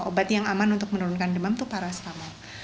obat yang aman untuk menurunkan demam itu parastamol